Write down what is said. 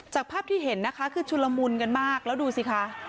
ภาพที่เห็นนะคะคือชุลมุนกันมากแล้วดูสิคะ